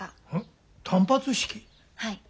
はい。